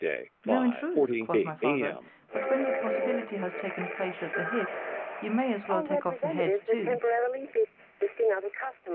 —No, in truth quoth my father—but when your possibility has taken place at the hip—you may as well take off the head too.